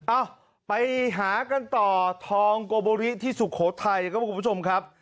เอ้าไปหากันต่อทองโกโบริที่สุโขทัยครับคุณผู้ชมครับ